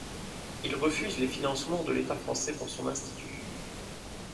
Il refuse les financements de l’État français pour son institut.